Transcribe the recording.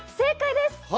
正解です。